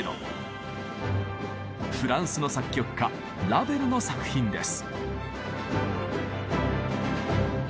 フランスの作曲家ラヴェルの作品です。